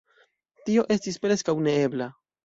Tio estis preskaŭ neebla!